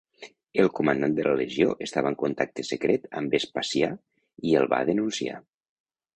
El comandat de la legió estava en contacte secret amb Vespasià i el va denunciar.